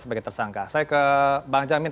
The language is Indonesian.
sebagai tersangka saya ke bang jamin